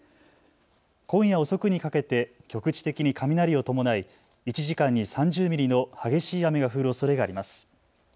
今夜遅くにかけて局地的に雷を伴い１時間に３０ミリの激しい雨が降るおそれがあります。